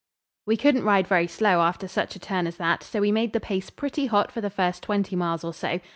We couldn't ride very slow after such a turn as that, so we made the pace pretty hot for the first twenty miles or so.